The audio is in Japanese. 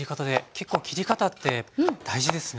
結構切り方って大事ですね。